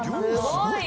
すごい！